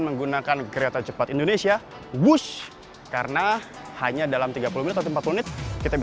menggunakan kereta cepat indonesia bus karena hanya dalam tiga puluh menit atau empat puluh menit kita